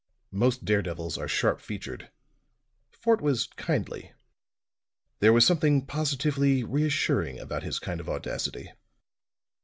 Most daredevils are sharp featured; Fort was kindly. There was something positively reassuring about his kind of audacity.